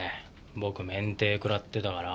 僕免停くらってたから。